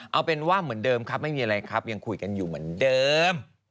เอาเป็นว่าเหมือนเดิมครับไม่มีอะไรครับยังคุยกันอยู่เหมือนเดิม